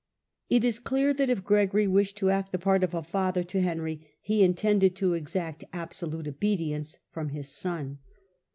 ' It is clear that if Gregory wished to act the part of a father to Henry he intended to exact absolute obedience from his son.